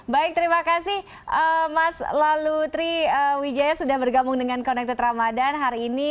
baik terima kasih mas lalutri wijaya sudah bergabung dengan connected ramadhan hari ini